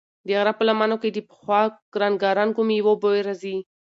د غره په لمنو کې د پخو رنګارنګو مېوو بوی راځي.